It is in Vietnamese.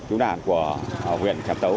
cứu đoàn của huyện tràm tấu